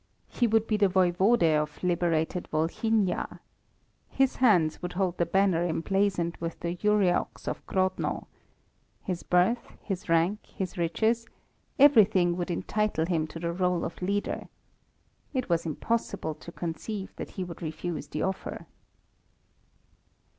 He would be the Voivode of liberated Volhynia. His hands would hold the banner emblazoned with the Ureox of Grodno. His birth, his rank, his riches everything would entitle him to the rôle of leader. It was impossible to conceive that he would refuse the offer.